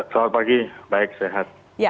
selamat pagi baik sehat